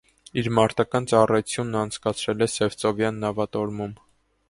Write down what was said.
Իր մարտական ծառայությունն անցկացրել է սևծովյան նավատորմում։